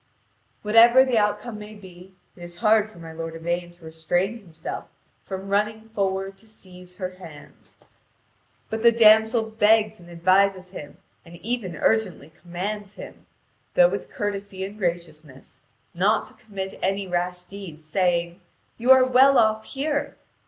Whatever the outcome may be, it is hard for my lord Yvain to restrain himself from running forward to seize her hands. But the damsel begs and advises him, and even urgently commands him, though with courtesy and graciousness, not to commit any rash deed, saying: "You are well off here.